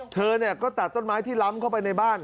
เธอก็ตัดต้นไม้ที่ล้ำเข้าไปในบ้าน